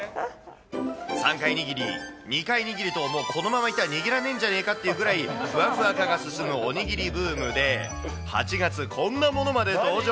３回握り、２回握りと、このままいったら、握らねえんじゃないかっていうくらい、ふわふわ化が進むおにぎりブームで、８月、こんなものまで登場。